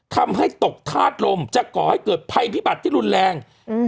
ทำให้ตกธาตุลมจะก่อให้เกิดภัยพิบัติที่รุนแรงอืม